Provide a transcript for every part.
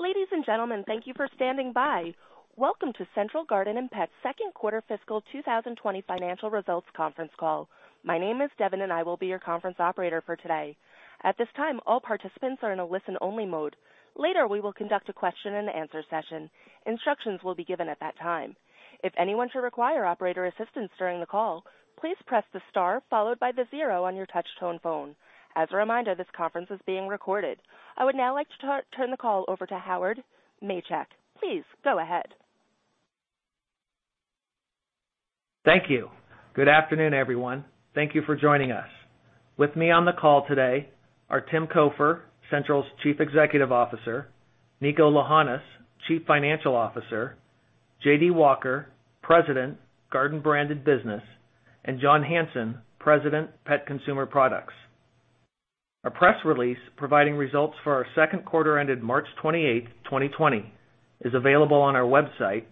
Ladies and gentlemen, thank you for standing by. Welcome to Central Garden & Pet's Second Quarter Fiscal 2020 Financial Results Conference Call. My name is Devin, and I will be your conference operator for today. At this time, all participants are in a listen-only mode. Later, we will conduct a question-and-answer session. Instructions will be given at that time. If anyone should require operator assistance during the call, please press the star followed by the zero on your touch-tone phone. As a reminder, this conference is being recorded. I would now like to turn the call over to Howard Machek. Please go ahead. Thank you. Good afternoon, everyone. Thank you for joining us. With me on the call today are Tim Cofer, Central's Chief Executive Officer, Niko Lahanas, Chief Financial Officer, J.D. Walker, President, Garden Branded Business, and John Hanson, President, Pet Consumer Products. A press release providing results for our second quarter ended March 28, 2020, is available on our website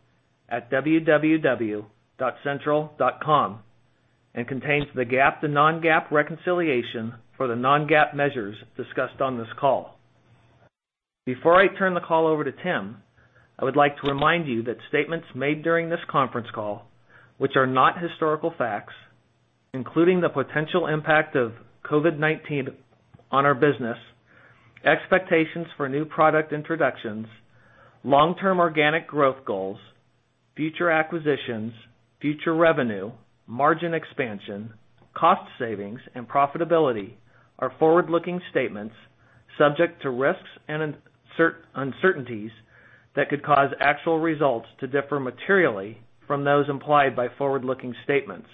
at www.central.com and contains the GAAP to non-GAAP reconciliation for the non-GAAP measures discussed on this call. Before I turn the call over to Tim, I would like to remind you that statements made during this conference call, which are not historical facts, including the potential impact of COVID-19 on our business, expectations for new product introductions, long-term organic growth goals, future acquisitions, future revenue, margin expansion, cost savings, and profitability, are forward-looking statements subject to risks and uncertainties that could cause actual results to differ materially from those implied by forward-looking statements.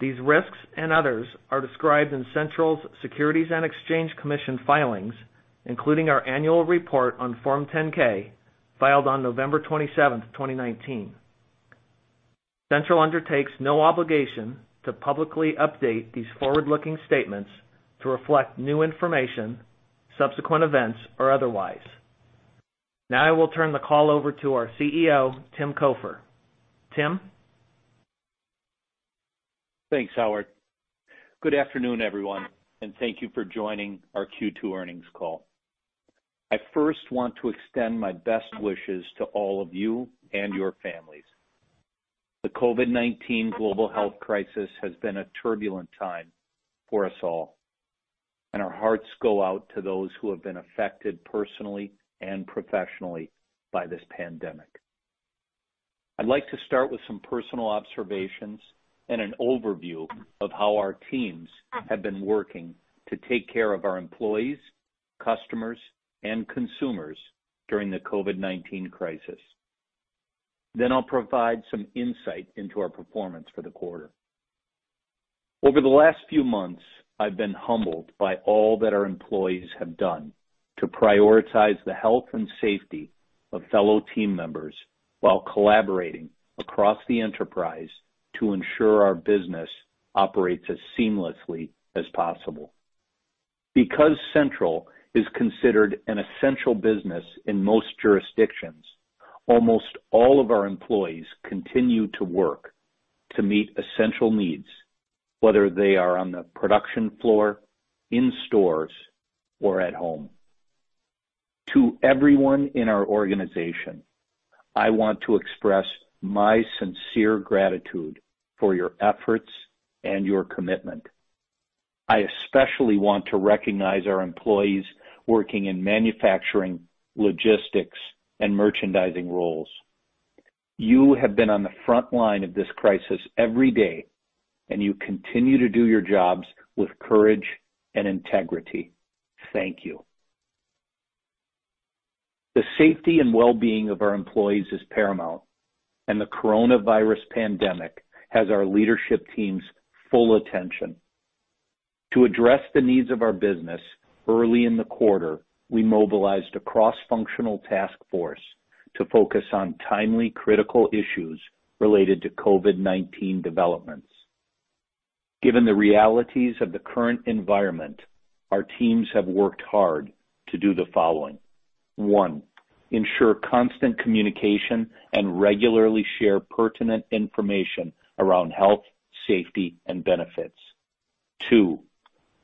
These risks and others are described in Central's Securities and Exchange Commission filings, including our annual report on Form 10-K filed on November 27, 2019. Central undertakes no obligation to publicly update these forward-looking statements to reflect new information, subsequent events, or otherwise. Now, I will turn the call over to our CEO, Tim Cofer. Tim? Thanks, Howard. Good afternoon, everyone, and thank you for joining our Q2 earnings call. I first want to extend my best wishes to all of you and your families. The COVID-19 global health crisis has been a turbulent time for us all, and our hearts go out to those who have been affected personally and professionally by this pandemic. I'd like to start with some personal observations and an overview of how our teams have been working to take care of our employees, customers, and consumers during the COVID-19 crisis. I will provide some insight into our performance for the quarter. Over the last few months, I've been humbled by all that our employees have done to prioritize the health and safety of fellow team members while collaborating across the enterprise to ensure our business operates as seamlessly as possible. Because Central is considered an essential business in most jurisdictions, almost all of our employees continue to work to meet essential needs, whether they are on the production floor, in stores, or at home. To everyone in our organization, I want to express my sincere gratitude for your efforts and your commitment. I especially want to recognize our employees working in manufacturing, logistics, and merchandising roles. You have been on the front line of this crisis every day, and you continue to do your jobs with courage and integrity. Thank you. The safety and well-being of our employees is paramount, and the coronavirus pandemic has our leadership team's full attention. To address the needs of our business early in the quarter, we mobilized a cross-functional task force to focus on timely, critical issues related to COVID-19 developments. Given the realities of the current environment, our teams have worked hard to do the following: one, ensure constant communication and regularly share pertinent information around health, safety, and benefits; two,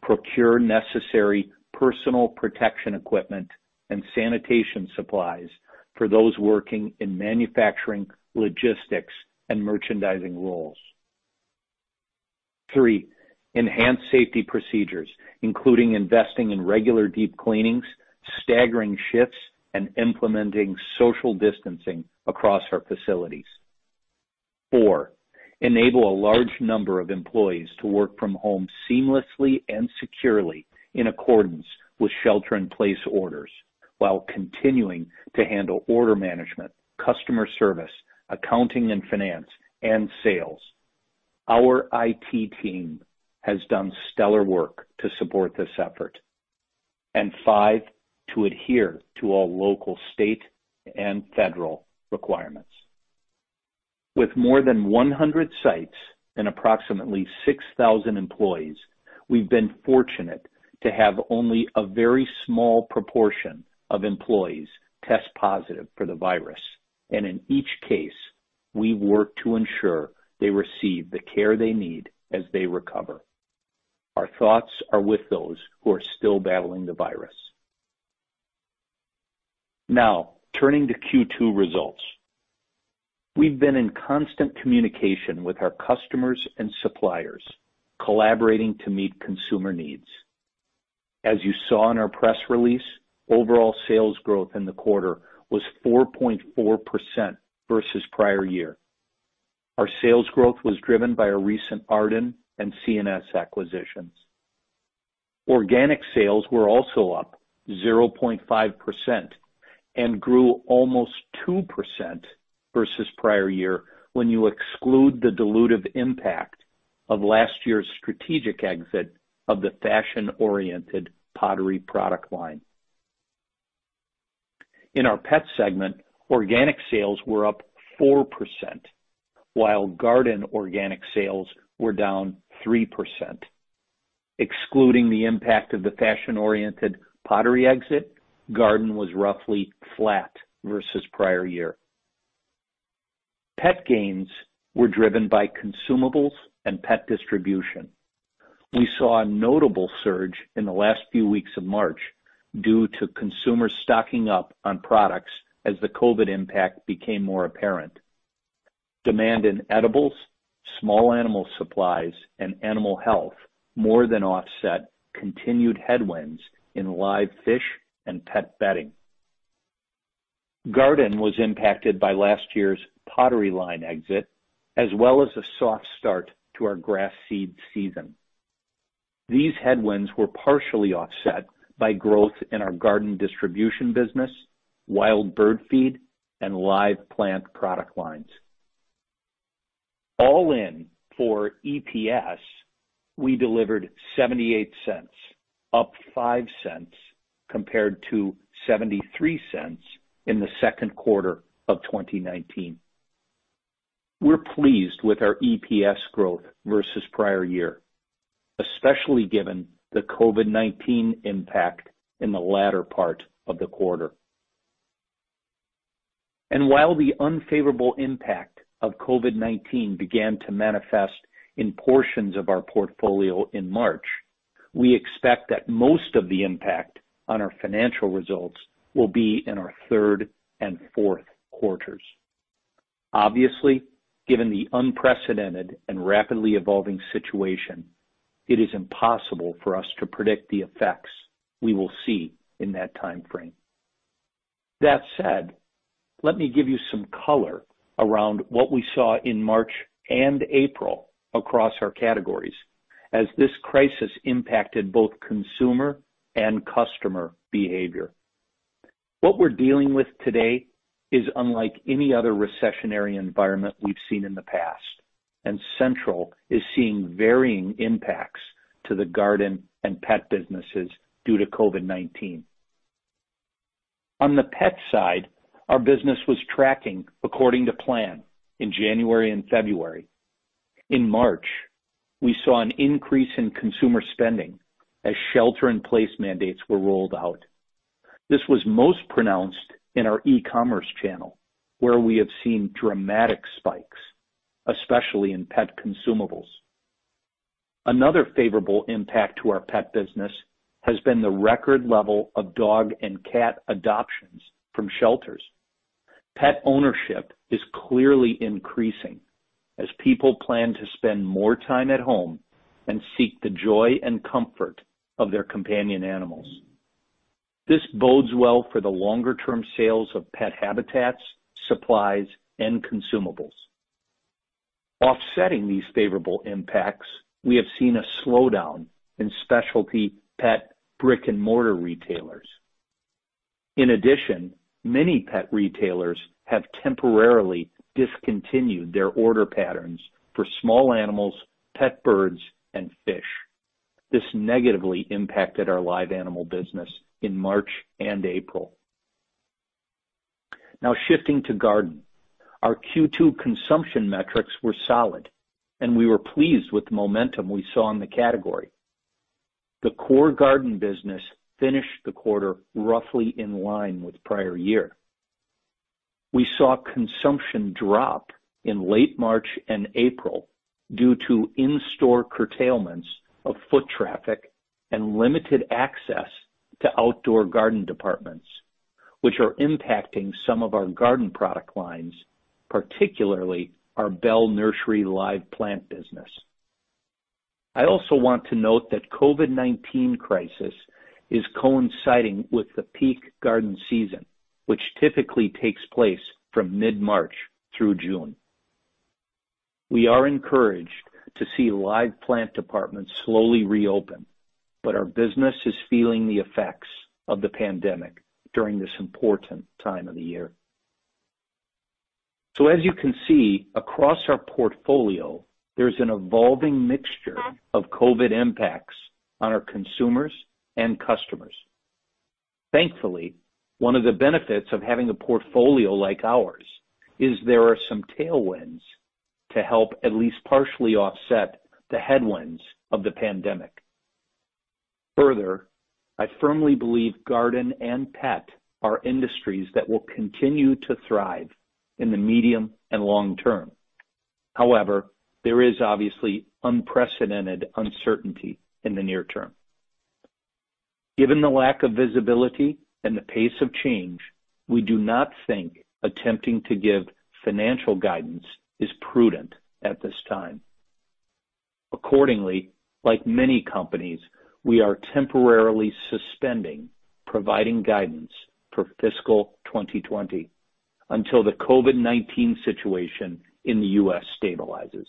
procure necessary personal protective equipment and sanitation supplies for those working in manufacturing, logistics, and merchandising roles; three, enhance safety procedures, including investing in regular deep cleanings, staggering shifts, and implementing social distancing across our facilities; four, enable a large number of employees to work from home seamlessly and securely in accordance with shelter-in-place orders while continuing to handle order management, customer service, accounting and finance, and sales. Our IT team has done stellar work to support this effort; and five, to adhere to all local, state, and federal requirements. With more than 100 sites and approximately 6,000 employees, we've been fortunate to have only a very small proportion of employees test positive for the virus, and in each case, we work to ensure they receive the care they need as they recover. Our thoughts are with those who are still battling the virus. Now, turning to Q2 results. We've been in constant communication with our customers and suppliers, collaborating to meet consumer needs. As you saw in our press release, overall sales growth in the quarter was 4.4% versus prior year. Our sales growth was driven by our recent Arden and C&S acquisitions. Organic sales were also up 0.5% and grew almost 2% versus prior year when you exclude the dilutive impact of last year's strategic exit of the fashion-oriented pottery product line. In our pet segment, organic sales were up 4%, while garden organic sales were down 3%. Excluding the impact of the fashion-oriented pottery exit, garden was roughly flat versus prior year. Pet gains were driven by consumables and pet distribution. We saw a notable surge in the last few weeks of March due to consumers stocking up on products as the COVID-19 impact became more apparent. Demand in edibles, small animal supplies, and animal health more than offset continued headwinds in live fish and pet bedding. Garden was impacted by last year's pottery line exit, as well as a soft start to our grass seed season. These headwinds were partially offset by growth in our garden distribution business, wild bird feed, and live plant product lines. All in for EPS, we delivered $0.78, up $0.05 compared to $0.73 in the second quarter of 2019. We're pleased with our EPS growth versus prior year, especially given the COVID-19 impact in the latter part of the quarter. While the unfavorable impact of COVID-19 began to manifest in portions of our portfolio in March, we expect that most of the impact on our financial results will be in our third and fourth quarters. Obviously, given the unprecedented and rapidly evolving situation, it is impossible for us to predict the effects we will see in that timeframe. That said, let me give you some color around what we saw in March and April across our categories as this crisis impacted both consumer and customer behavior. What we're dealing with today is unlike any other recessionary environment we've seen in the past, and Central is seeing varying impacts to the garden and pet businesses due to COVID-19. On the pet side, our business was tracking according to plan in January and February. In March, we saw an increase in consumer spending as shelter-in-place mandates were rolled out. This was most pronounced in our e-commerce channel, where we have seen dramatic spikes, especially in pet consumables. Another favorable impact to our pet business has been the record level of dog and cat adoptions from shelters. Pet ownership is clearly increasing as people plan to spend more time at home and seek the joy and comfort of their companion animals. This bodes well for the longer-term sales of pet habitats, supplies, and consumables. Offsetting these favorable impacts, we have seen a slowdown in specialty pet brick-and-mortar retailers. In addition, many pet retailers have temporarily discontinued their order patterns for small animals, pet birds, and fish. This negatively impacted our live animal business in March and April. Now, shifting to garden, our Q2 consumption metrics were solid, and we were pleased with the momentum we saw in the category. The core garden business finished the quarter roughly in line with prior year. We saw consumption drop in late March and April due to in-store curtailments of foot traffic and limited access to outdoor garden departments, which are impacting some of our garden product lines, particularly our Bell Nursery live plant business. I also want to note that the COVID-19 crisis is coinciding with the peak garden season, which typically takes place from mid-March through June. We are encouraged to see live plant departments slowly reopen, but our business is feeling the effects of the pandemic during this important time of the year. As you can see, across our portfolio, there's an evolving mixture of COVID impacts on our consumers and customers. Thankfully, one of the benefits of having a portfolio like ours is there are some tailwinds to help at least partially offset the headwinds of the pandemic. Further, I firmly believe garden and pet are industries that will continue to thrive in the medium and long term. However, there is obviously unprecedented uncertainty in the near term. Given the lack of visibility and the pace of change, we do not think attempting to give financial guidance is prudent at this time. Accordingly, like many companies, we are temporarily suspending providing guidance for fiscal 2020 until the COVID-19 situation in the U.S. stabilizes.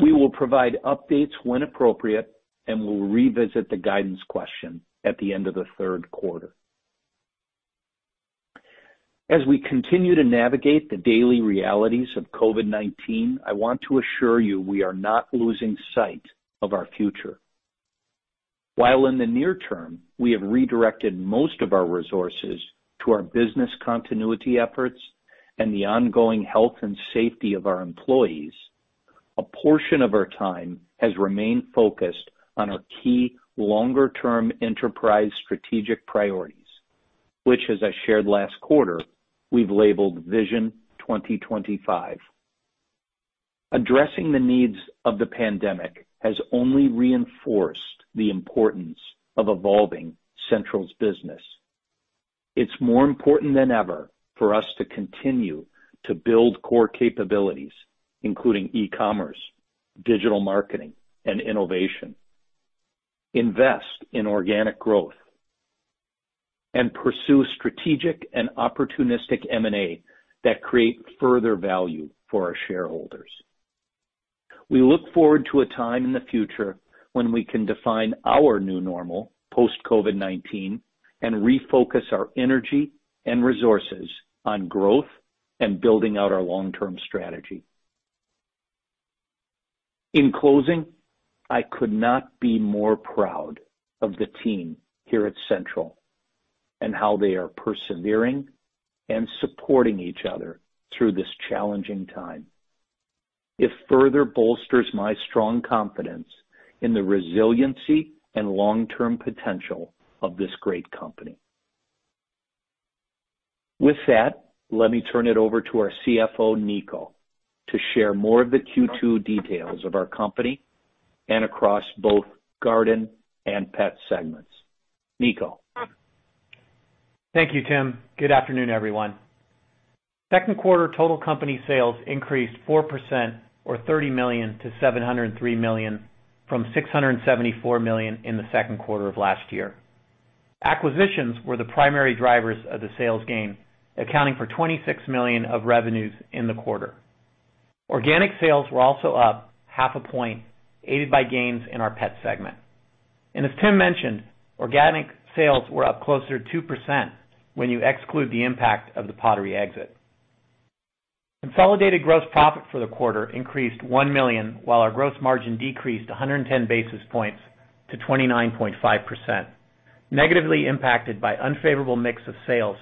We will provide updates when appropriate and will revisit the guidance question at the end of the third quarter. As we continue to navigate the daily realities of COVID-19, I want to assure you we are not losing sight of our future. While in the near term, we have redirected most of our resources to our business continuity efforts and the ongoing health and safety of our employees, a portion of our time has remained focused on our key longer-term enterprise strategic priorities, which, as I shared last quarter, we've labeled Vision 2025. Addressing the needs of the pandemic has only reinforced the importance of evolving Central's business. It's more important than ever for us to continue to build core capabilities, including e-commerce, digital marketing, and innovation. Invest in organic growth and pursue strategic and opportunistic M&A that create further value for our shareholders. We look forward to a time in the future when we can define our new normal post-COVID-19 and refocus our energy and resources on growth and building out our long-term strategy. In closing, I could not be more proud of the team here at Central and how they are persevering and supporting each other through this challenging time. It further bolsters my strong confidence in the resiliency and long-term potential of this great company. With that, let me turn it over to our CFO, Niko, to share more of the Q2 details of our company and across both garden and pet segments. Niko. Thank you, Tim. Good afternoon, everyone. Second quarter total company sales increased 4%, or $30 million, to $703 million, from $674 million in the second quarter of last year. Acquisitions were the primary drivers of the sales gain, accounting for $26 million of revenues in the quarter. Organic sales were also up half a point, aided by gains in our pet segment. As Tim mentioned, organic sales were up closer to 2% when you exclude the impact of the pottery exit. Consolidated gross profit for the quarter increased $1 million, while our gross margin decreased 110 basis points to 29.5%, negatively impacted by an unfavorable mix of sales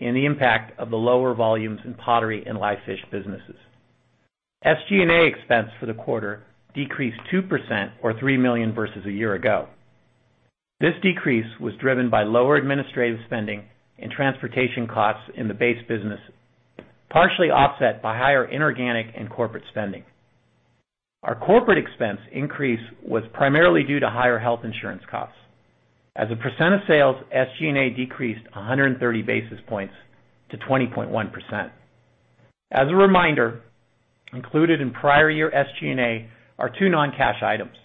and the impact of the lower volumes in pottery and live fish businesses. SG&A expense for the quarter decreased 2%, or $3 million versus a year ago. This decrease was driven by lower administrative spending and transportation costs in the base business, partially offset by higher inorganic and corporate spending. Our corporate expense increase was primarily due to higher health insurance costs. As a percent of sales, SG&A decreased 130 basis points to 20.1%. As a reminder, included in prior year SG&A are two non-cash items: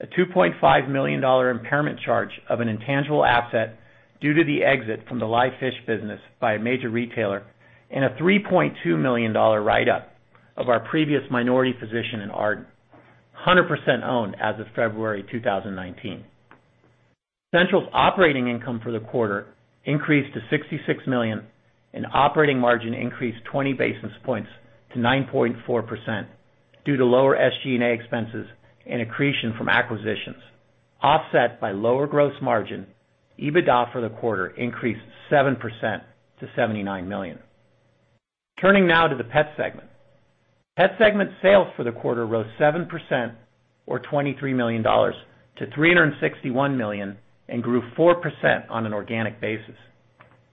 a $2.5 million impairment charge of an intangible asset due to the exit from the live fish business by a major retailer and a $3.2 million write-up of our previous minority position in Arden, 100% owned as of February 2019. Central's operating income for the quarter increased to $66 million, and operating margin increased 20 basis points to 9.4% due to lower SG&A expenses and accretion from acquisitions. Offset by lower gross margin, EBITDA for the quarter increased 7% to $79 million. Turning now to the pet segment. Pet segment sales for the quarter rose 7%, or $23 million, to $361 million and grew 4% on an organic basis.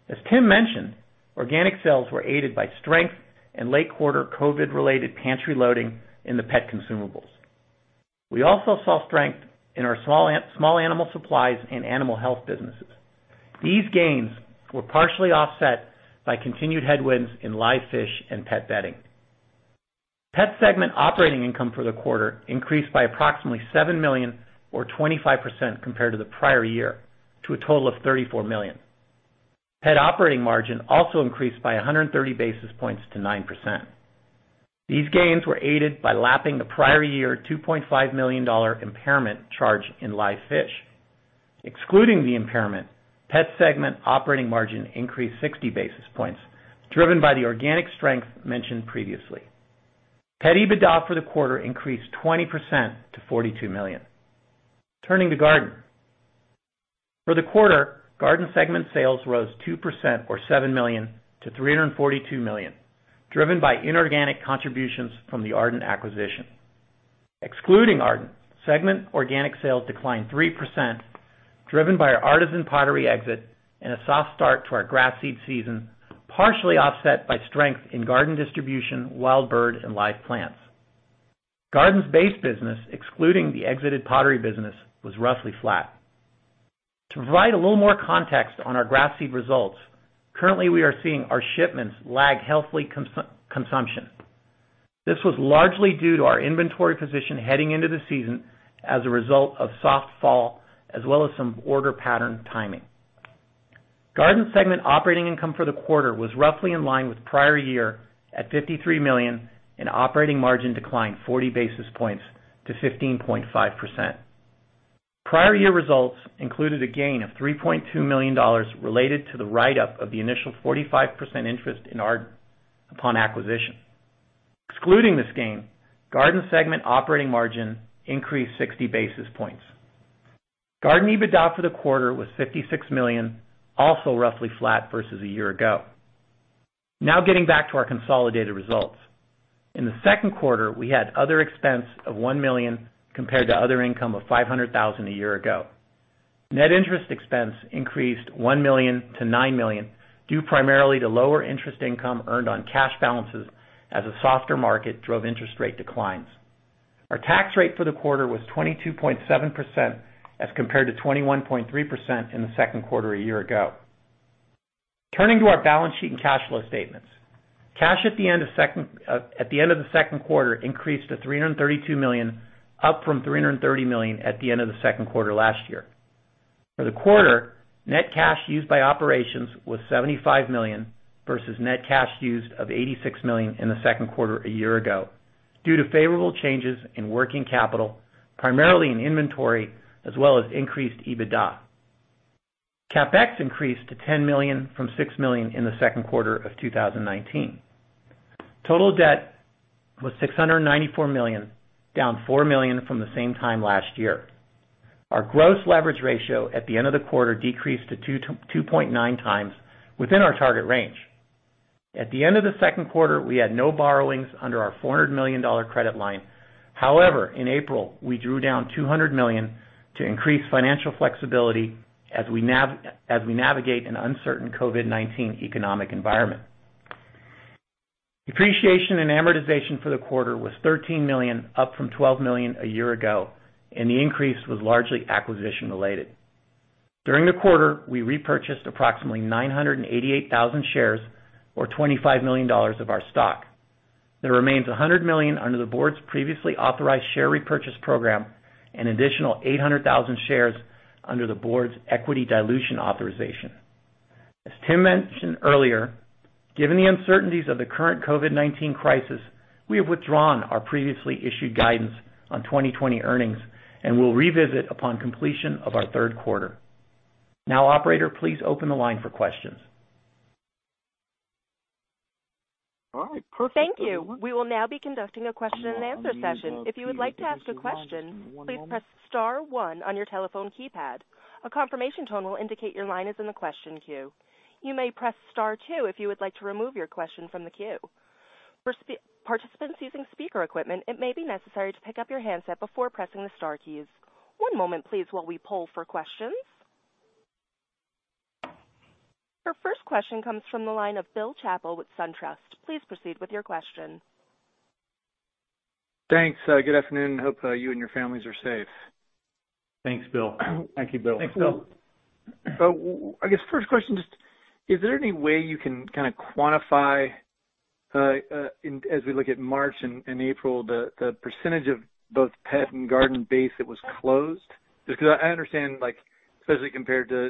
As Tim mentioned, organic sales were aided by strength and late quarter COVID-19-related pantry loading in the pet consumables. We also saw strength in our small animal supplies and animal health businesses. These gains were partially offset by continued headwinds in live fish and pet bedding. Pet segment operating income for the quarter increased by approximately $7 million, or 25% compared to the prior year, to a total of $34 million. Pet operating margin also increased by 130 basis points to 9%. These gains were aided by lapping the prior year $2.5 million impairment charge in live fish. Excluding the impairment, pet segment operating margin increased 60 basis points, driven by the organic strength mentioned previously. Pet EBITDA for the quarter increased 20% to $42 million. Turning to garden. For the quarter, garden segment sales rose 2%, or $7 million, to $342 million, driven by inorganic contributions from the Arden acquisition. Excluding Arden, segment organic sales declined 3%, driven by our artisan pottery exit and a soft start to our grass seed season, partially offset by strength in garden distribution, wild bird, and live plants. Garden's base business, excluding the exited pottery business, was roughly flat. To provide a little more context on our grass seed results, currently we are seeing our shipments lag healthy consumption. This was largely due to our inventory position heading into the season as a result of soft fall, as well as some order pattern timing. Garden segment operating income for the quarter was roughly in line with prior year at $53 million, and operating margin declined 40 basis points to 15.5%. Prior year results included a gain of $3.2 million related to the write-up of the initial 45% interest in Arden upon acquisition. Excluding this gain, garden segment operating margin increased 60 basis points. Garden EBITDA for the quarter was $56 million, also roughly flat versus a year ago. Now, getting back to our consolidated results. In the second quarter, we had other expense of $1 million compared to other income of $500,000 a year ago. Net interest expense increased $1 million to $9 million due primarily to lower interest income earned on cash balances as a softer market drove interest rate declines. Our tax rate for the quarter was 22.7% as compared to 21.3% in the second quarter a year ago. Turning to our balance sheet and cash flow statements. Cash at the end of the second quarter increased to $332 million, up from $330 million at the end of the second quarter last year. For the quarter, net cash used by operations was $75 million versus net cash used of $86 million in the second quarter a year ago due to favorable changes in working capital, primarily in inventory, as well as increased EBITDA. CapEx increased to $10 million from $6 million in the second quarter of 2019. Total debt was $694 million, down $4 million from the same time last year. Our gross leverage ratio at the end of the quarter decreased to 2.9 times, within our target range. At the end of the second quarter, we had no borrowings under our $400 million credit line. However, in April, we drew down $200 million to increase financial flexibility as we navigate an uncertain COVID-19 economic environment. Depreciation and amortization for the quarter was $13 million, up from $12 million a year ago, and the increase was largely acquisition-related. During the quarter, we repurchased approximately 988,000 shares, or $25 million of our stock. There remains $100 million under the board's previously authorized share repurchase program and an additional 800,000 shares under the board's equity dilution authorization. As Tim mentioned earlier, given the uncertainties of the current COVID-19 crisis, we have withdrawn our previously issued guidance on 2020 earnings and will revisit upon completion of our third quarter. Now, operator, please open the line for questions. All right. Perfect. Thank you. We will now be conducting a question-and-answer session. If you would like to ask a question, please press star one on your telephone keypad. A confirmation tone will indicate your line is in the question queue. You may press star two if you would like to remove your question from the queue. For participants using speaker equipment, it may be necessary to pick up your handset before pressing the star keys. One moment, please, while we pull for questions. Our first question comes from the line of Bill Chappel with SunTrust. Please proceed with your question. Thanks. Good afternoon. Hope you and your families are safe. Thanks, Bill. Thank you, Bill. Thanks, Bill. I guess first question, just is there any way you can kind of quantify, as we look at March and April, the percentage of both pet and garden base that was closed? Just because I understand, especially compared to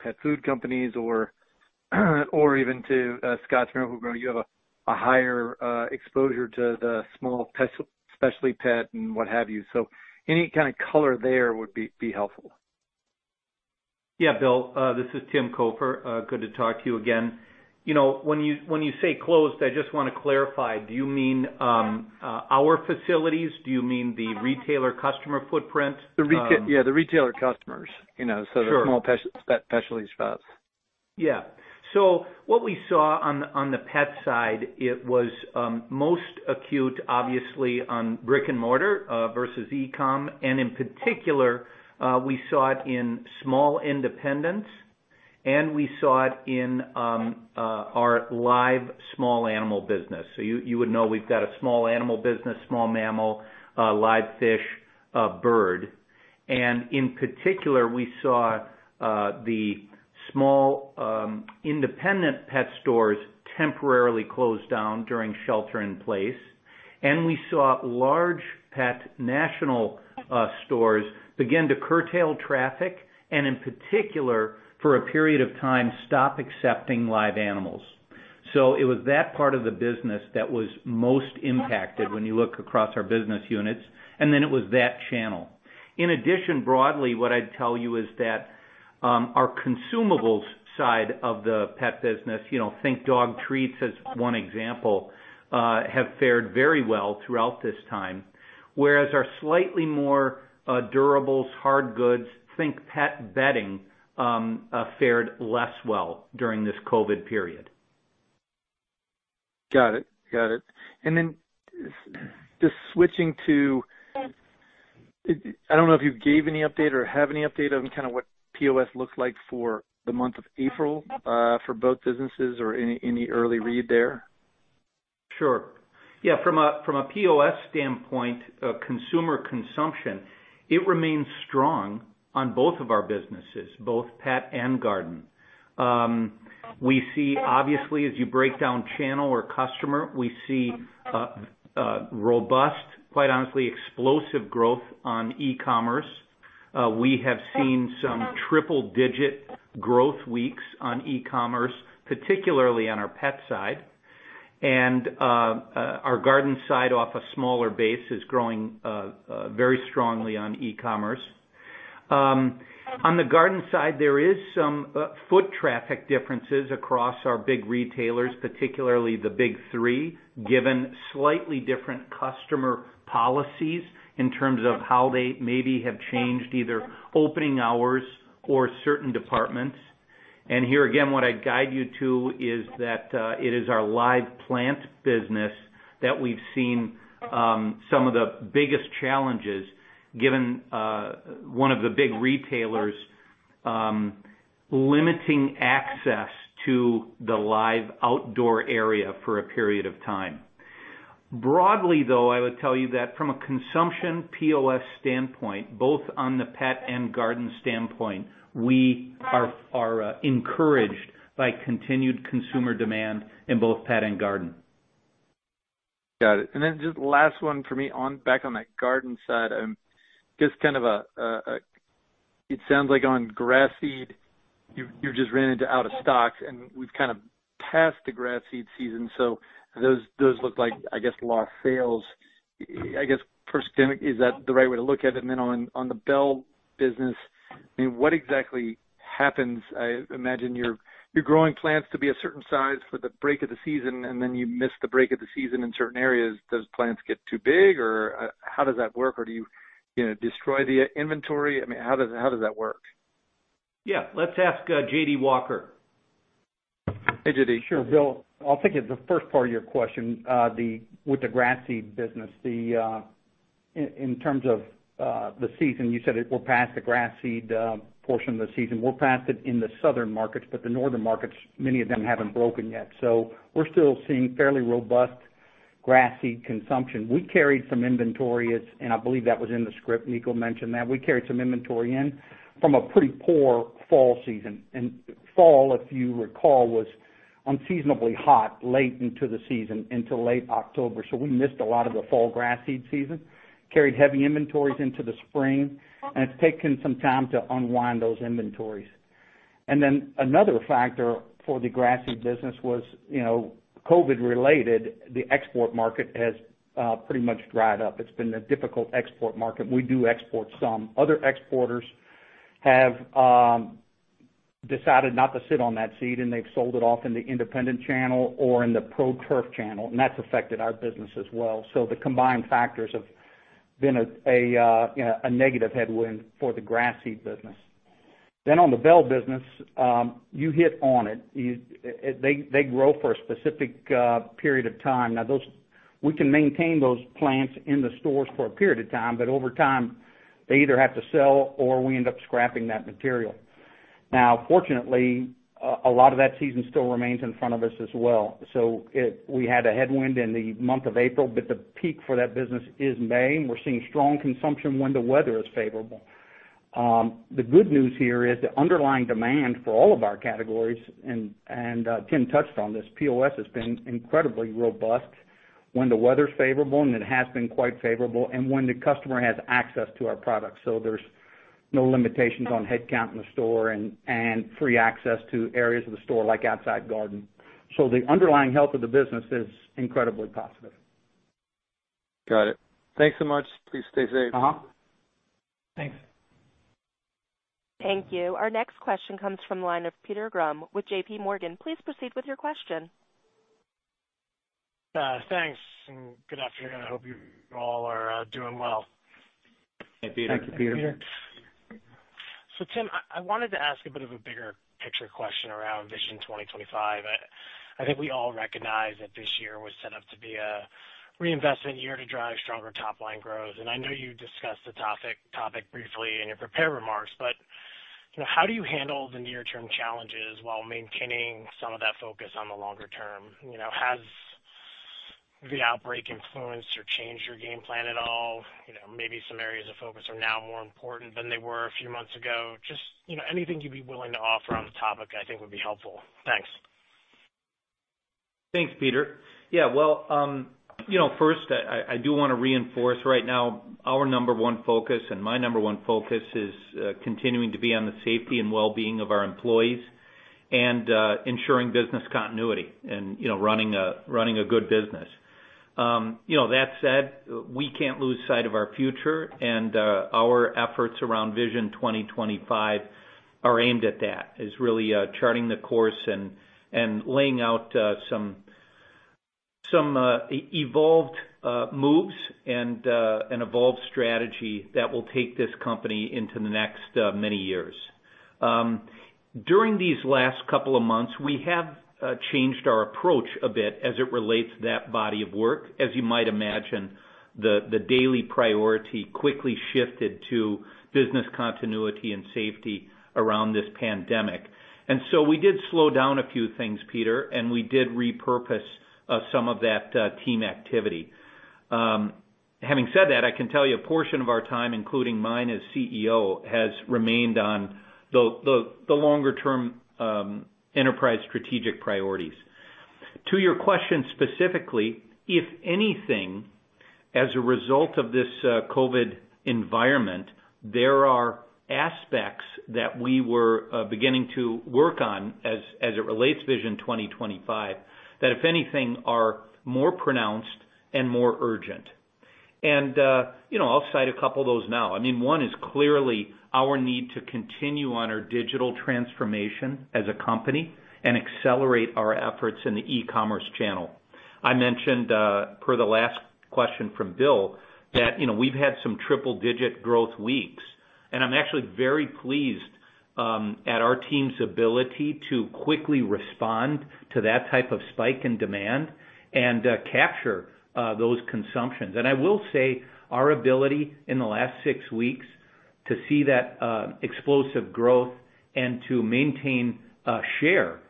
pet food companies or even to Scottsboro, who you have a higher exposure to the small pet, especially pet and what have you. So any kind of color there would be helpful. Yeah, Bill, this is Tim Cofer. Good to talk to you again. When you say closed, I just want to clarify. Do you mean our facilities? Do you mean the retailer customer footprint? Yeah, the retailer customers. So the small pet specialty shops. Yeah. What we saw on the pet side, it was most acute, obviously, on brick and mortar versus e-com. In particular, we saw it in small independents, and we saw it in our live small animal business. You would know we've got a small animal business, small mammal, live fish, bird. In particular, we saw the small independent pet stores temporarily closed down during shelter in place. We saw large pet national stores begin to curtail traffic and, in particular, for a period of time, stop accepting live animals. It was that part of the business that was most impacted when you look across our business units. It was that channel. In addition, broadly, what I'd tell you is that our consumables side of the pet business, think dog treats as one example, have fared very well throughout this time. Whereas our slightly more durables, hard goods, think pet bedding, fared less well during this COVID-19 period. Got it. Got it. Just switching to, I don't know if you gave any update or have any update on kind of what POS looks like for the month of April for both businesses or any early read there? Sure. Yeah. From a POS standpoint, consumer consumption, it remains strong on both of our businesses, both pet and garden. We see, obviously, as you break down channel or customer, we see robust, quite honestly, explosive growth on e-commerce. We have seen some triple-digit growth weeks on e-commerce, particularly on our pet side. Our garden side, off a smaller base, is growing very strongly on e-commerce. On the garden side, there are some foot traffic differences across our big retailers, particularly the big three, given slightly different customer policies in terms of how they maybe have changed either opening hours or certain departments. Here, again, what I'd guide you to is that it is our live plant business that we've seen some of the biggest challenges, given one of the big retailers limiting access to the live outdoor area for a period of time. Broadly, though, I would tell you that from a consumption POS standpoint, both on the pet and garden standpoint, we are encouraged by continued consumer demand in both pet and garden. Got it. Just last one for me back on that garden side. Just kind of a, it sounds like on grass seed, you just ran into out of stock, and we've kind of passed the grass seed season. Those look like, I guess, lost sales. I guess, first, Tim, is that the right way to look at it? On the Bell business, I mean, what exactly happens? I imagine you're growing plants to be a certain size for the break of the season, and then you miss the break of the season in certain areas. Those plants get too big, or how does that work? Or do you destroy the inventory? I mean, how does that work? Yeah. Let's ask J.D. Walker. Hey, J.D. Sure, Bill. I'll take the first part of your question with the grass seed business. In terms of the season, you said we're past the grass seed portion of the season. We're past it in the southern markets, but the northern markets, many of them haven't broken yet. We're still seeing fairly robust grass seed consumption. We carried some inventory, and I believe that was in the script. Niko mentioned that. We carried some inventory in from a pretty poor fall season. Fall, if you recall, was unseasonably hot late into the season, into late October. We missed a lot of the fall grass seed season, carried heavy inventories into the spring, and it's taken some time to unwind those inventories. Another factor for the grass seed business was COVID-related. The export market has pretty much dried up. It's been a difficult export market. We do export some. Other exporters have decided not to sit on that seed, and they've sold it off in the independent channel or in the pro-turf channel. That has affected our business as well. The combined factors have been a negative headwind for the grass seed business. On the Bell business, you hit on it. They grow for a specific period of time. We can maintain those plants in the stores for a period of time, but over time, they either have to sell or we end up scrapping that material. Fortunately, a lot of that season still remains in front of us as well. We had a headwind in the month of April, but the peak for that business is May, and we are seeing strong consumption when the weather is favorable. The good news here is the underlying demand for all of our categories, and Tim touched on this, POS has been incredibly robust when the weather's favorable, and it has been quite favorable, and when the customer has access to our products. There's no limitations on headcount in the store and free access to areas of the store like outside garden. The underlying health of the business is incredibly positive. Got it. Thanks so much. Please stay safe. Thanks. Thank you. Our next question comes from the line of Peter Grum with JPMorgan. Please proceed with your question. Thanks. Good afternoon. I hope you all are doing well. Hey, Peter. Thank you, Peter. Tim, I wanted to ask a bit of a bigger picture question around Vision 2025. I think we all recognize that this year was set up to be a reinvestment year to drive stronger top-line growth. I know you discussed the topic briefly in your prepared remarks, but how do you handle the near-term challenges while maintaining some of that focus on the longer term? Has the outbreak influenced or changed your game plan at all? Maybe some areas of focus are now more important than they were a few months ago. Just anything you'd be willing to offer on the topic, I think, would be helpful. Thanks. Thanks, Peter. Yeah. First, I do want to reinforce right now our number one focus, and my number one focus is continuing to be on the safety and well-being of our employees and ensuring business continuity and running a good business. That said, we can't lose sight of our future, and our efforts around Vision 2025 are aimed at that, is really charting the course and laying out some evolved moves and evolved strategy that will take this company into the next many years. During these last couple of months, we have changed our approach a bit as it relates to that body of work. As you might imagine, the daily priority quickly shifted to business continuity and safety around this pandemic. We did slow down a few things, Peter, and we did repurpose some of that team activity. Having said that, I can tell you a portion of our time, including mine as CEO, has remained on the longer-term enterprise strategic priorities. To your question specifically, if anything, as a result of this COVID environment, there are aspects that we were beginning to work on as it relates to Vision 2025 that, if anything, are more pronounced and more urgent. I will cite a couple of those now. I mean, one is clearly our need to continue on our digital transformation as a company and accelerate our efforts in the e-commerce channel. I mentioned per the last question from Bill that we've had some triple-digit growth weeks, and I'm actually very pleased at our team's ability to quickly respond to that type of spike in demand and capture those consumptions. I will say our ability in the last six weeks to see that explosive growth and to maintain a share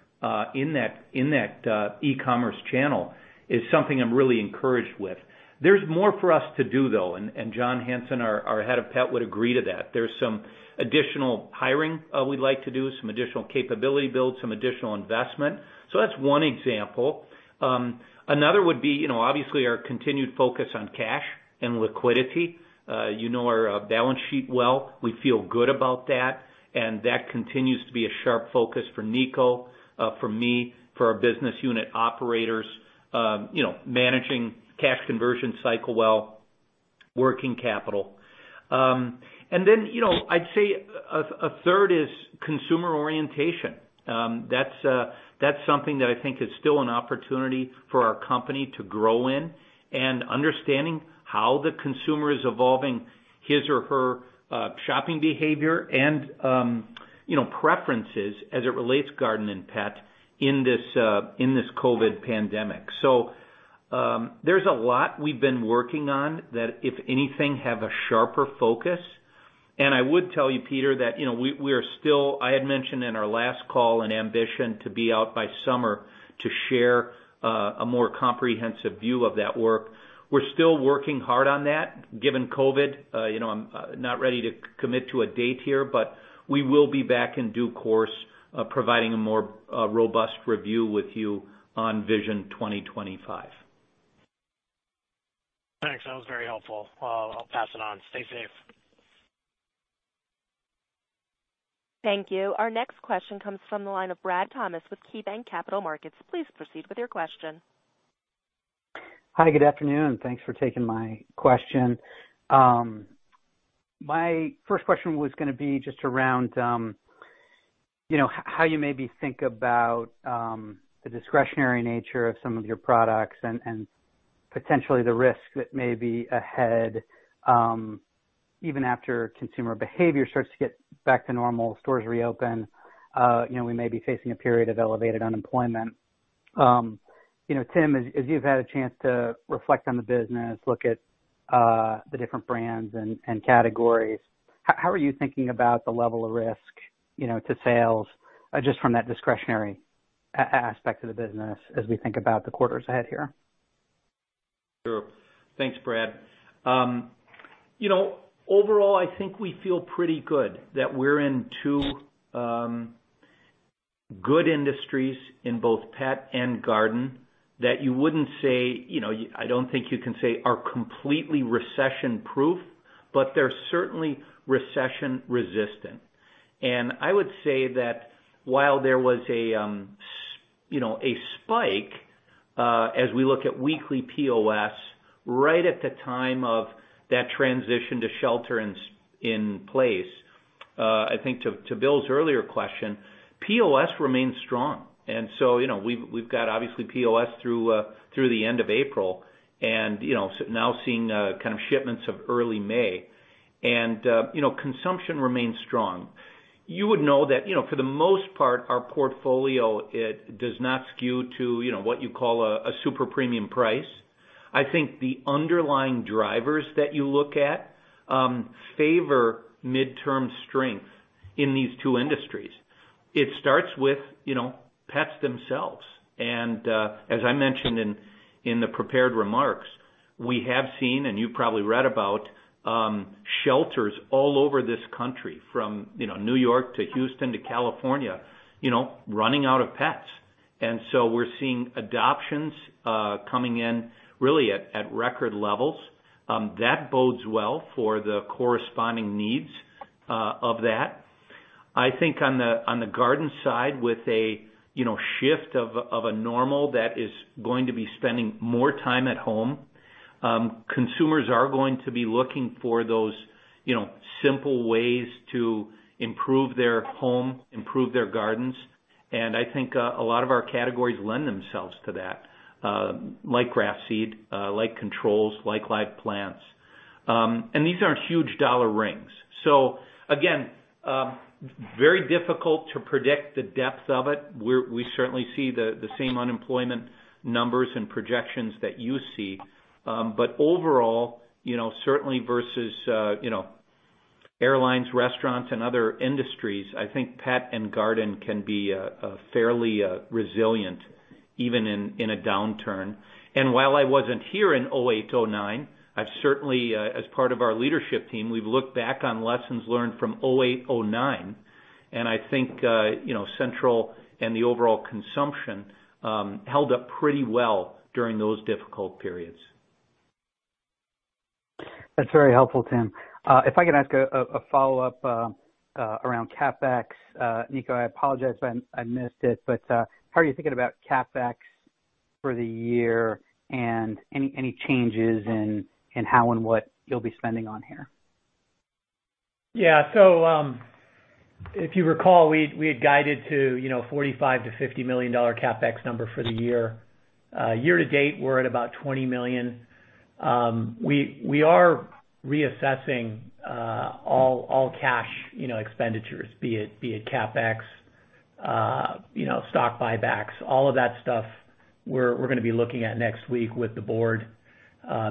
in that e-commerce channel is something I'm really encouraged with. There is more for us to do, though, and John Hanson, our Head of Pet, would agree to that. There is some additional hiring we would like to do, some additional capability builds, some additional investment. That is one example. Another would be, obviously, our continued focus on cash and liquidity. You know our balance sheet well. We feel good about that. That continues to be a sharp focus for Niko, for me, for our business unit operators, managing cash conversion cycle well, working capital. I would say a third is consumer orientation. That is something that I think is still an opportunity for our company to grow in and understanding how the consumer is evolving his or her shopping behavior and preferences as it relates to garden and pet in this COVID pandemic. There is a lot we have been working on that, if anything, have a sharper focus. I would tell you, Peter, that we are still, I had mentioned in our last call, an ambition to be out by summer to share a more comprehensive view of that work. We are still working hard on that, given COVID. I am not ready to commit to a date here, but we will be back in due course, providing a more robust review with you on Vision 2025. Thanks. That was very helpful. I will pass it on. Stay safe. Thank you. Our next question comes from the line of Brad Thomas with KeyBanc Capital Markets. Please proceed with your question. Hi. Good afternoon. Thanks for taking my question. My first question was going to be just around how you maybe think about the discretionary nature of some of your products and potentially the risk that may be ahead even after consumer behavior starts to get back to normal, stores reopen. We may be facing a period of elevated unemployment. Tim, as you've had a chance to reflect on the business, look at the different brands and categories, how are you thinking about the level of risk to sales just from that discretionary aspect of the business as we think about the quarters ahead here? Sure. Thanks, Brad. Overall, I think we feel pretty good that we're in two good industries in both pet and garden that you wouldn't say, I don't think you can say, are completely recession-proof, but they're certainly recession-resistant. I would say that while there was a spike as we look at weekly POS right at the time of that transition to shelter in place, I think to Bill's earlier question, POS remains strong. We've got obviously POS through the end of April and now seeing kind of shipments of early May. Consumption remains strong. You would know that for the most part, our portfolio does not skew to what you call a super premium price. I think the underlying drivers that you look at favor midterm strength in these two industries. It starts with pets themselves. As I mentioned in the prepared remarks, we have seen, and you probably read about, shelters all over this country from New York to Houston to California running out of pets. We are seeing adoptions coming in really at record levels. That bodes well for the corresponding needs of that. I think on the garden side with a shift of a normal that is going to be spending more time at home, consumers are going to be looking for those simple ways to improve their home, improve their gardens. I think a lot of our categories lend themselves to that, like grass seed, like controls, like live plants. These are not huge dollar rings. Again, very difficult to predict the depth of it. We certainly see the same unemployment numbers and projections that you see. Overall, certainly versus airlines, restaurants, and other industries, I think pet and garden can be fairly resilient even in a downturn. While I was not here in 2008, 2009, I have certainly, as part of our leadership team, looked back on lessons learned from 2008, 2009. I think Central and the overall consumption held up pretty well during those difficult periods. That is very helpful, Tim. If I can ask a follow-up around CapEx, Niko, I apologize if I missed it, but how are you thinking about CapEx for the year and any changes in how and what you'll be spending on here? Yeah. If you recall, we had guided to a $45 million-$50 million CapEx number for the year. Year to date, we're at about $20 million. We are reassessing all cash expenditures, be it CapEx, stock buybacks, all of that stuff. We're going to be looking at next week with the board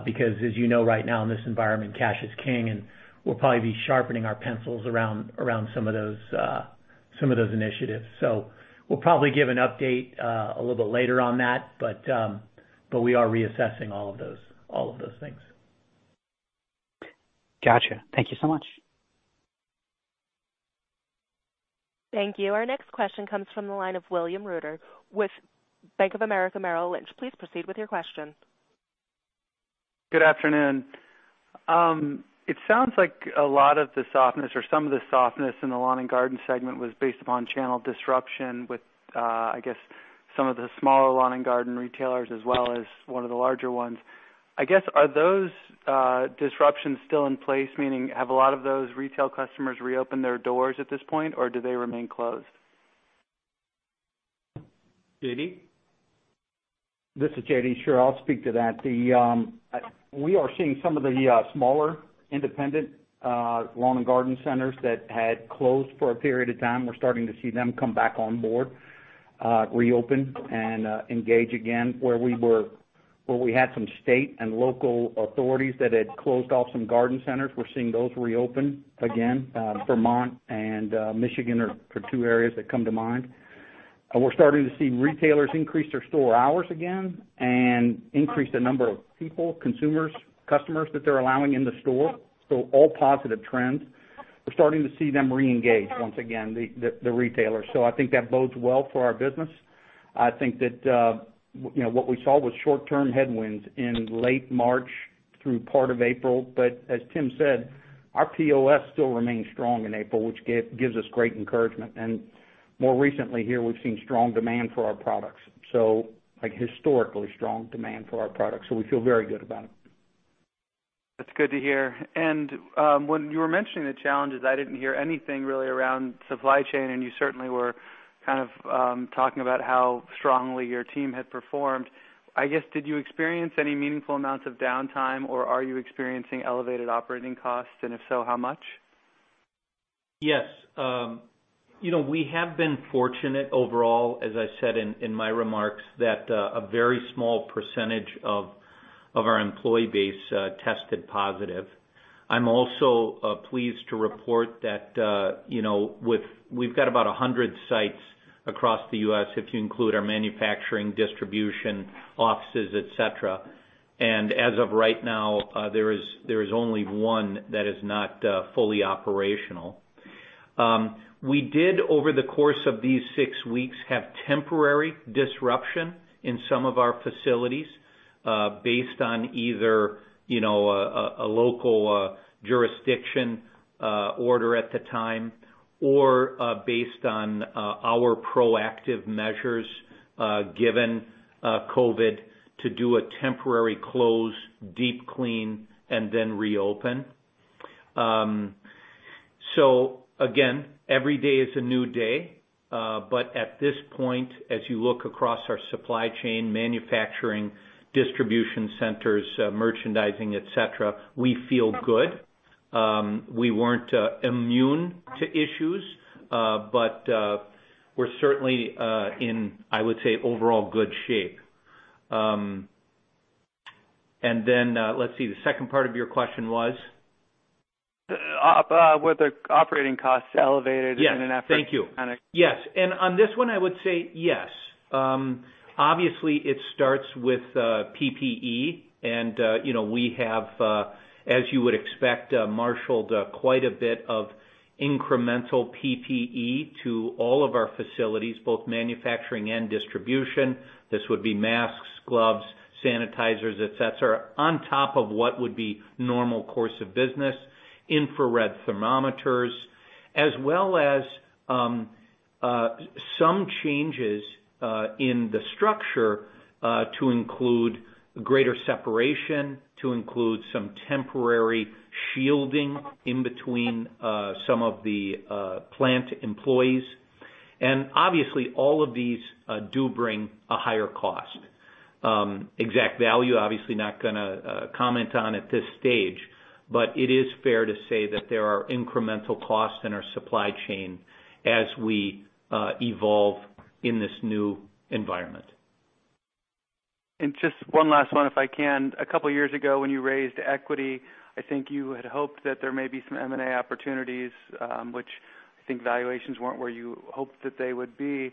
because, as you know, right now in this environment, cash is king, and we'll probably be sharpening our pencils around some of those initiatives. We'll probably give an update a little bit later on that, but we are reassessing all of those things. Gotcha. Thank you so much. Thank you. Our next question comes from the line of William Ruder with Bank of America Merrill Lynch. Please proceed with your question. Good afternoon. It sounds like a lot of the softness or some of the softness in the lawn and garden segment was based upon channel disruption with, I guess, some of the smaller lawn and garden retailers as well as one of the larger ones. I guess, are those disruptions still in place, meaning have a lot of those retail customers reopened their doors at this point, or do they remain closed? J.D.? This is J.D. Sure. I'll speak to that. We are seeing some of the smaller independent lawn and garden centers that had closed for a period of time. We're starting to see them come back on board, reopen, and engage again where we had some state and local authorities that had closed off some garden centers. We're seeing those reopen again. Vermont and Michigan are two areas that come to mind. We're starting to see retailers increase their store hours again and increase the number of people, consumers, customers that they're allowing in the store. All positive trends. We're starting to see them reengage once again, the retailers. I think that bodes well for our business. I think that what we saw was short-term headwinds in late March through part of April. As Tim said, our POS still remains strong in April, which gives us great encouragement. More recently here, we've seen strong demand for our products, historically strong demand for our products. We feel very good about it. That's good to hear. When you were mentioning the challenges, I did not hear anything really around supply chain, and you certainly were kind of talking about how strongly your team had performed. I guess, did you experience any meaningful amounts of downtime, or are you experiencing elevated operating costs? If so, how much? Yes. We have been fortunate overall, as I said in my remarks, that a very small percentage of our employee base tested positive. I am also pleased to report that we have about 100 sites across the U.S., if you include our manufacturing, distribution offices, etc. As of right now, there is only one that is not fully operational. We did, over the course of these six weeks, have temporary disruption in some of our facilities based on either a local jurisdiction order at the time or based on our proactive measures given COVID-19 to do a temporary close, deep clean, and then reopen. Every day is a new day. At this point, as you look across our supply chain, manufacturing, distribution centers, merchandising, etc., we feel good. We were not immune to issues, but we are certainly in, I would say, overall good shape. The second part of your question was? Were the operating costs elevated in an effort? Yes. Thank you. Yes. On this one, I would say yes. Obviously, it starts with PPE. We have, as you would expect, marshaled quite a bit of incremental PPE to all of our facilities, both manufacturing and distribution. This would be masks, gloves, sanitizers, etc., on top of what would be normal course of business, infrared thermometers, as well as some changes in the structure to include greater separation, to include some temporary shielding in between some of the plant employees. Obviously, all of these do bring a higher cost. Exact value, obviously, not going to comment on at this stage, but it is fair to say that there are incremental costs in our supply chain as we evolve in this new environment. Just one last one, if I can. A couple of years ago, when you raised equity, I think you had hoped that there may be some M&A opportunities, which I think valuations were not where you hoped that they would be.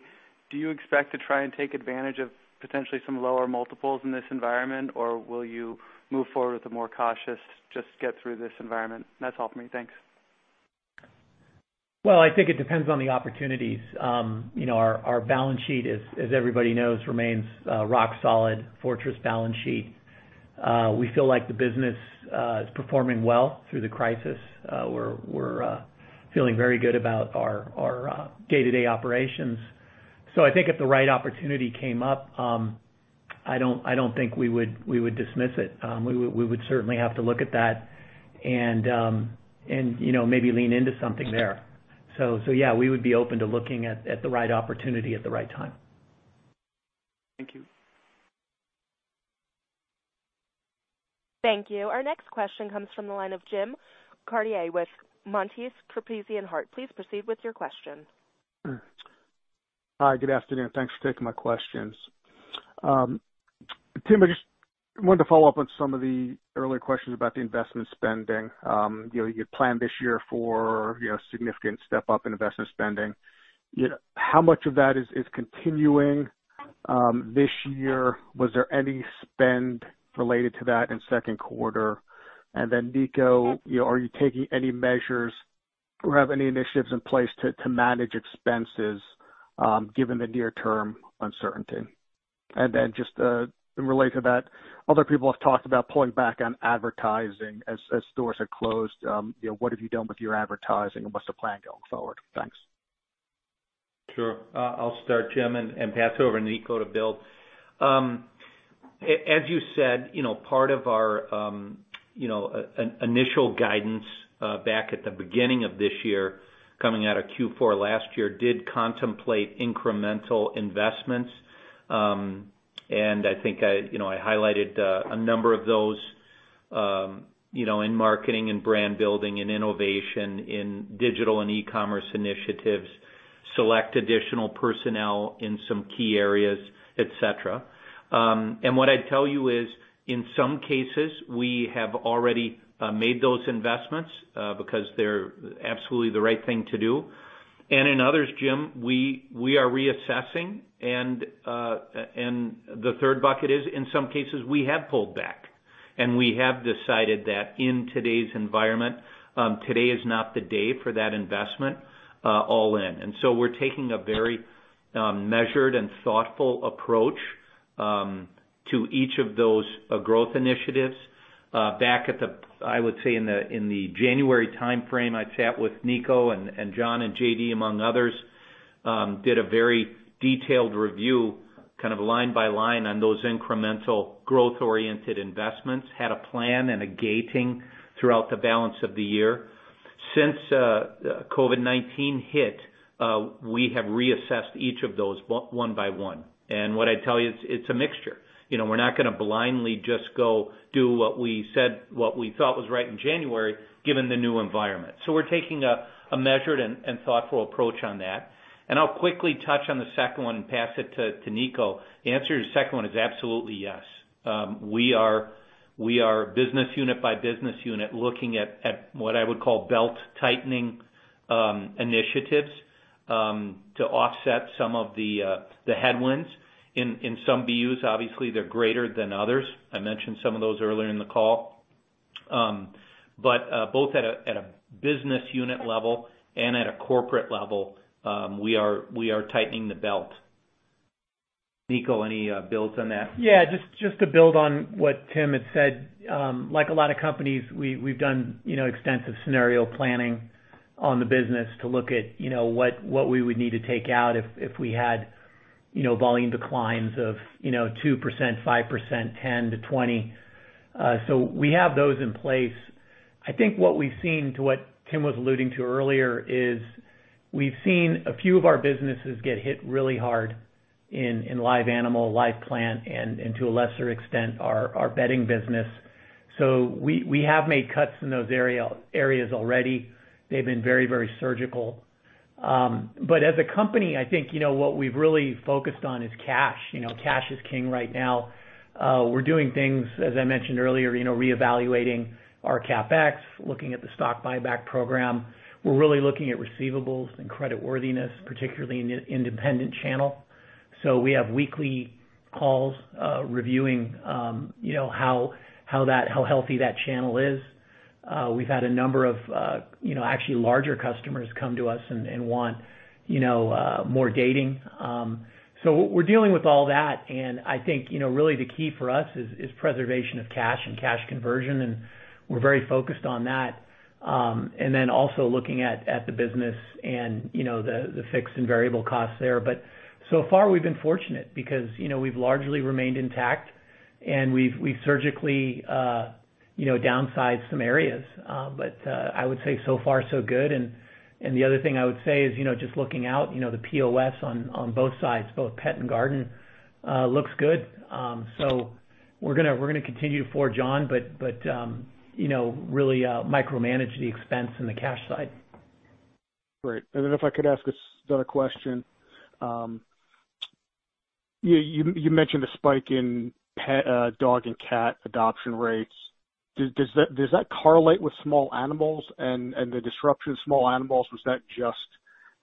Do you expect to try and take advantage of potentially some lower multiples in this environment, or will you move forward with a more cautious just get through this environment? That's all for me. Thanks. I think it depends on the opportunities. Our balance sheet, as everybody knows, remains rock solid, fortress balance sheet. We feel like the business is performing well through the crisis. We're feeling very good about our day-to-day operations. I think if the right opportunity came up, I don't think we would dismiss it. We would certainly have to look at that and maybe lean into something there. Yeah, we would be open to looking at the right opportunity at the right time. Thank you. Thank you. Our next question comes from the line of Jim Cartier with Monness Crespi Hardt. Please proceed with your question. Hi. Good afternoon. Thanks for taking my questions. Tim, I just wanted to follow up on some of the earlier questions about the investment spending. You had planned this year for a significant step-up in investment spending. How much of that is continuing this year? Was there any spend related to that in second quarter? Niko, are you taking any measures or have any initiatives in place to manage expenses given the near-term uncertainty? Just in relation to that, other people have talked about pulling back on advertising as stores have closed. What have you done with your advertising, and what's the plan going forward? Thanks. Sure. I'll start, Jim, and pass it over to Niko to build. As you said, part of our initial guidance back at the beginning of this year, coming out of Q4 last year, did contemplate incremental investments. I think I highlighted a number of those in marketing and brand building and innovation in digital and e-commerce initiatives, select additional personnel in some key areas, etc. What I'd tell you is, in some cases, we have already made those investments because they're absolutely the right thing to do. In others, Jim, we are reassessing. The third bucket is, in some cases, we have pulled back, and we have decided that in today's environment, today is not the day for that investment all in. We are taking a very measured and thoughtful approach to each of those growth initiatives. Back at the, I would say, in the January timeframe, I sat with Niko and John and J.D., among others, did a very detailed review kind of line by line on those incremental growth-oriented investments, had a plan and a gating throughout the balance of the year. Since COVID-19 hit, we have reassessed each of those one by one. What I'd tell you, it's a mixture. We're not going to blindly just go do what we said, what we thought was right in January, given the new environment. We're taking a measured and thoughtful approach on that. I'll quickly touch on the second one and pass it to Niko. The answer to the second one is absolutely yes. We are business unit by business unit looking at what I would call belt-tightening initiatives to offset some of the headwinds. In some BUs, obviously, they're greater than others. I mentioned some of those earlier in the call. Both at a business unit level and at a corporate level, we are tightening the belt. Niko, any builds on that? Yeah. Just to build on what Tim had said, like a lot of companies, we've done extensive scenario planning on the business to look at what we would need to take out if we had volume declines of 2%, 5%, 10%-20%. We have those in place. I think what we've seen, to what Tim was alluding to earlier, is we've seen a few of our businesses get hit really hard in live animal, live plant, and to a lesser extent, our bedding business. We have made cuts in those areas already. They've been very, very surgical. As a company, I think what we've really focused on is cash. Cash is king right now. We're doing things, as I mentioned earlier, reevaluating our CapEx, looking at the stock buyback program. We're really looking at receivables and creditworthiness, particularly in the independent channel. We have weekly calls reviewing how healthy that channel is. We've had a number of actually larger customers come to us and want more gating. We're dealing with all that. I think really the key for us is preservation of cash and cash conversion. We're very focused on that. Also looking at the business and the fixed and variable costs there. So far, we've been fortunate because we've largely remained intact, and we've surgically downsized some areas. I would say so far, so good. The other thing I would say is just looking out, the POS on both sides, both pet and garden, looks good. We're going to continue to forge on, but really micromanage the expense and the cash side. Great. If I could ask another question. You mentioned the spike in dog and cat adoption rates. Does that correlate with small animals and the disruption of small animals? Was that just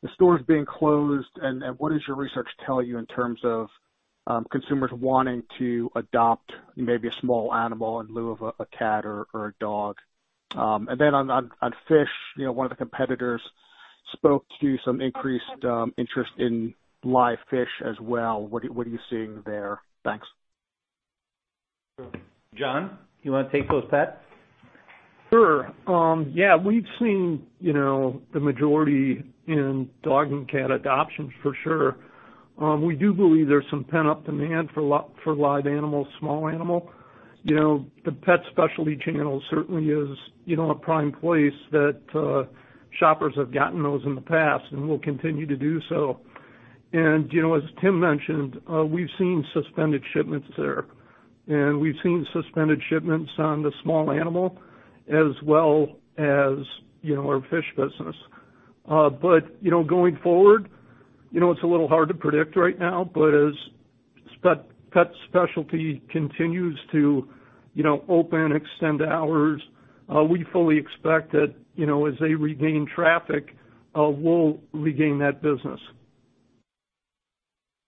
the stores being closed? What does your research tell you in terms of consumers wanting to adopt maybe a small animal in lieu of a cat or a dog? On fish, one of the competitors spoke to some increased interest in live fish as well. What are you seeing there? Thanks. John, you want to take those pets? Sure. Yeah. We've seen the majority in dog and cat adoptions, for sure. We do believe there's some pent-up demand for live animals, small animal. The pet specialty channel certainly is a prime place that shoppers have gotten those in the past and will continue to do so. As Tim mentioned, we've seen suspended shipments there. We've seen suspended shipments on the small animal as well as our fish business. Going forward, it's a little hard to predict right now. As pet specialty continues to open and extend hours, we fully expect that as they regain traffic, we'll regain that business.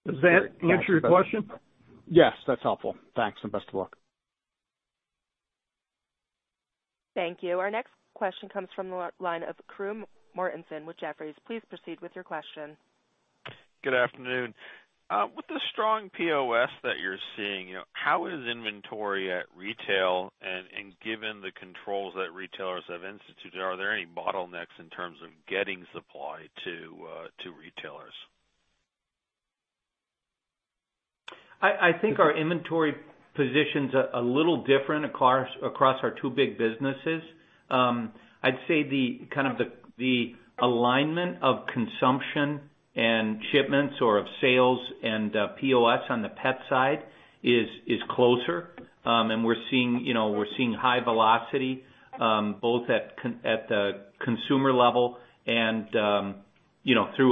Does that answer your question? Yes. That's helpful. Thanks and best of luck. Thank you. Our next question comes from the line of Crew Mortensen with Jefferies. Please proceed with your question. Good afternoon. With the strong POS that you're seeing, how is inventory at retail? Given the controls that retailers have instituted, are there any bottlenecks in terms of getting supply to retailers? I think our inventory positions are a little different across our two big businesses. I'd say kind of the alignment of consumption and shipments or of sales and POS on the pet side is closer. We're seeing high velocity both at the consumer level and through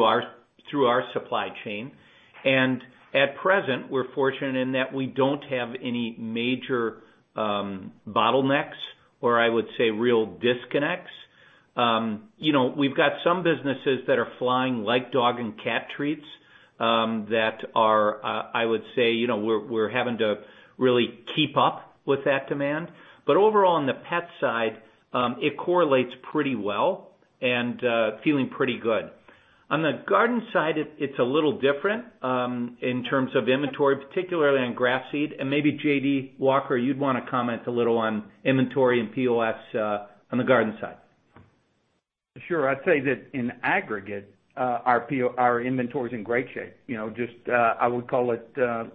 our supply chain. At present, we're fortunate in that we don't have any major bottlenecks or I would say real disconnects. We've got some businesses that are flying like dog and cat treats that are, I would say, we're having to really keep up with that demand. Overall, on the pet side, it correlates pretty well and feeling pretty good. On the garden side, it's a little different in terms of inventory, particularly on grass seed. Maybe J.D. Walker, you'd want to comment a little on inventory and POS on the garden side. Sure. I'd say that in aggregate, our inventory is in great shape. I would call it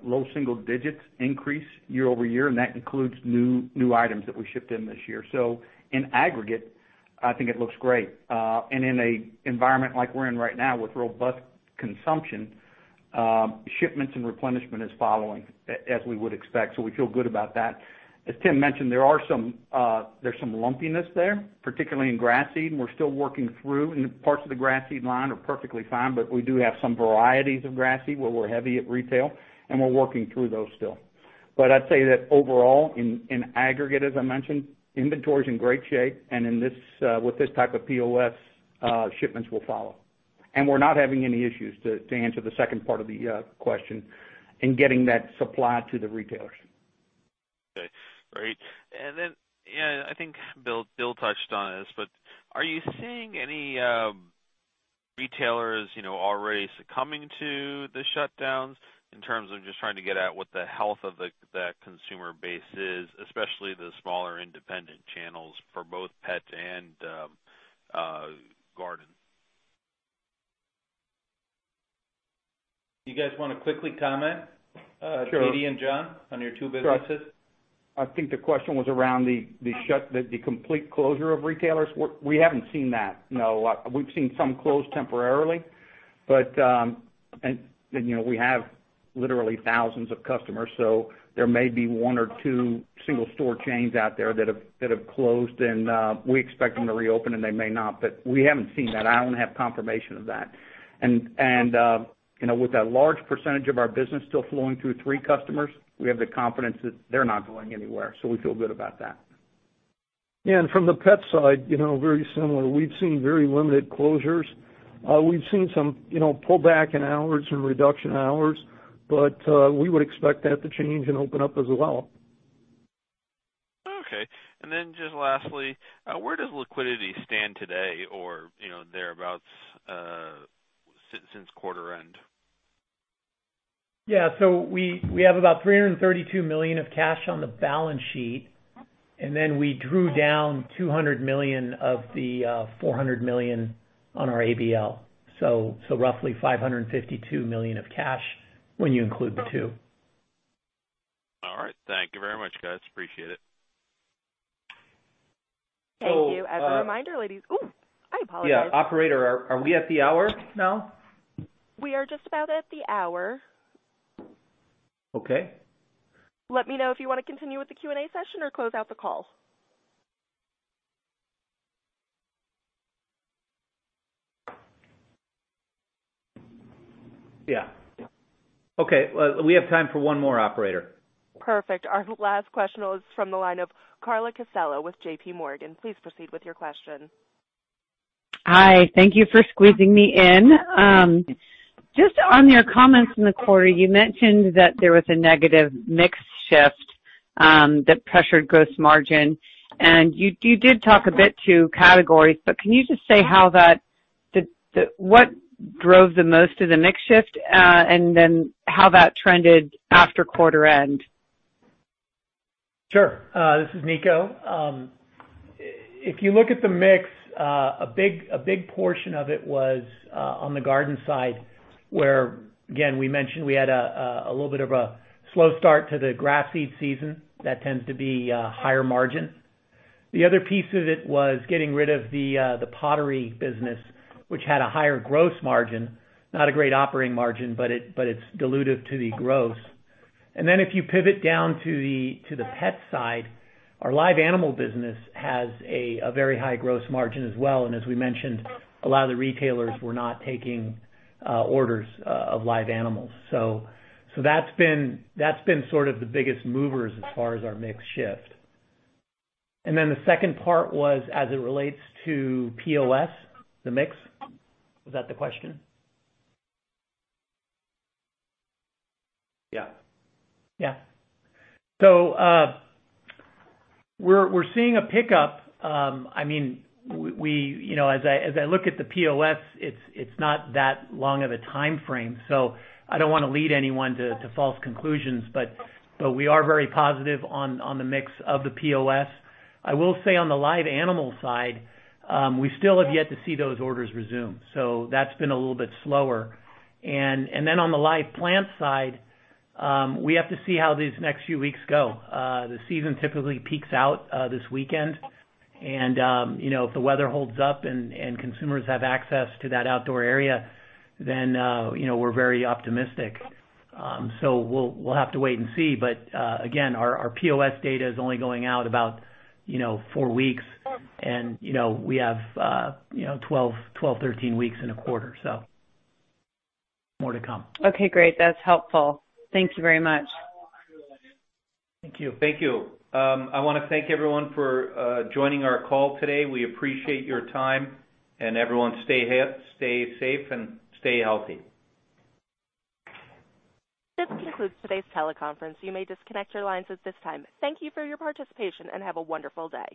low single digits increase year over year. That includes new items that we shipped in this year. In aggregate, I think it looks great. In an environment like we're in right now with robust consumption, shipments and replenishment is following as we would expect. We feel good about that. As Tim mentioned, there's some lumpiness there, particularly in grass seed. We're still working through. Parts of the grass seed line are perfectly fine. We do have some varieties of grass seed where we're heavy at retail. We're working through those still. I'd say that overall, in aggregate, as I mentioned, inventory is in great shape. With this type of POS, shipments will follow. We're not having any issues to answer the second part of the question in getting that supply to the retailers. Okay. Great. I think Bill touched on this, but are you seeing any retailers already succumbing to the shutdowns in terms of just trying to get at what the health of that consumer base is, especially the smaller independent channels for both pet and garden? You guys want to quickly comment, J.D. and John, on your two businesses? I think the question was around the complete closure of retailers. We haven't seen that. No. We've seen some closed temporarily. We have literally thousands of customers. There may be one or two single store chains out there that have closed. We expect them to reopen, and they may not. We haven't seen that. I don't have confirmation of that. With that large percentage of our business still flowing through three customers, we have the confidence that they're not going anywhere. We feel good about that. Yeah. From the pet side, very similar. We've seen very limited closures. We've seen some pullback in hours and reduction in hours. We would expect that to change and open up as well. Okay. Just lastly, where does liquidity stand today or thereabouts since quarter end? Yeah. We have about $332 million of cash on the balance sheet. We drew down $200 million of the $400 million on our ABL. Roughly $552 million of cash when you include the two. All right. Thank you very much, guys. Appreciate it. Thank you. As a reminder, ladies—ooh, I apologize. Yeah. Operator, are we at the hour now? We are just about at the hour. Okay. Let me know if you want to continue with the Q&A session or close out the call. Yeah. Okay. We have time for one more, Operator. Perfect. Our last question was from the line of Carly Costello with JPMorgan. Please proceed with your question. Hi. Thank you for squeezing me in. Just on your comments in the quarter, you mentioned that there was a negative mix shift that pressured gross margin. You did talk a bit to categories. Can you just say how that—what drove the most of the mix shift and then how that trended after quarter end? Sure. This is Niko. If you look at the mix, a big portion of it was on the garden side where, again, we mentioned we had a little bit of a slow start to the grass seed season. That tends to be higher margin. The other piece of it was getting rid of the pottery business, which had a higher gross margin. Not a great operating margin, but it's dilutive to the gross. If you pivot down to the pet side, our live animal business has a very high gross margin as well. As we mentioned, a lot of the retailers were not taking orders of live animals. That's been sort of the biggest movers as far as our mix shift. The second part was as it relates to POS, the mix. Was that the question? Yeah. Yeah. We're seeing a pickup. I mean, as I look at the POS, it's not that long of a time frame. I don't want to lead anyone to false conclusions. We are very positive on the mix of the POS. I will say on the live animal side, we still have yet to see those orders resume. That has been a little bit slower. On the live plant side, we have to see how these next few weeks go. The season typically peaks out this weekend. If the weather holds up and consumers have access to that outdoor area, we are very optimistic. We will have to wait and see. Again, our POS data is only going out about four weeks. We have 12-13 weeks in a quarter. More to come. Okay. Great. That is helpful. Thank you very much. Thank you. Thank you. I want to thank everyone for joining our call today. We appreciate your time. Everyone, stay safe and stay healthy. This concludes today's teleconference. You may disconnect your lines at this time. Thank you for your participation and have a wonderful day.